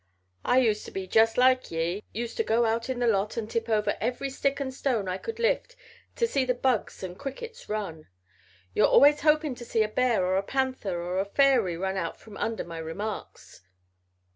I used to be just like ye, used to go out in the lot and tip over every stick and stone I could lift to see the bugs and crickets run. You're always hopin' to see a bear or a panther or a fairy run out from under my remarks."